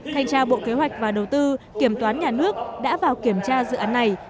thanh tra bộ kế hoạch và đầu tư kiểm toán nhà nước đã vào kiểm tra dự án này